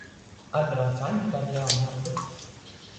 Atbrauc Anita ar Leonardu.